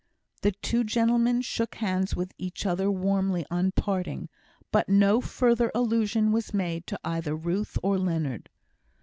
The two gentlemen shook hands with each other on parting; but no further allusion was made to either Ruth or Leonard.